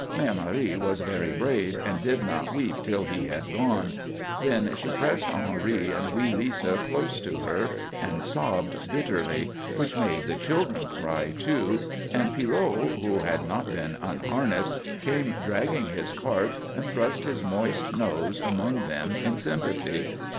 Mère Marie was very brave and did not weep till he had gone. Then she pressed Henri and wee Lisa close to her and sobbed bitterly, which made the children cry, too, and Pierrot, who had not been unharnessed, came dragging his cart and thrust his moist nose among them in sympathy.